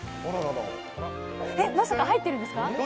まさか入ってるんですか？